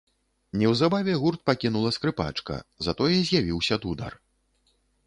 Неўзабаве гурт пакінула скрыпачка, затое з'явіўся дудар.